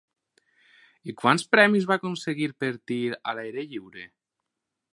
I quants premis va aconseguir per tir a l'aire lliure?